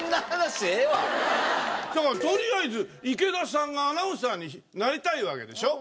だからとりあえず池田さんがアナウンサーになりたいわけでしょ。